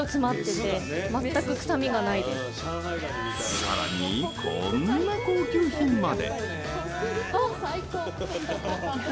さらにこんな高級品まで！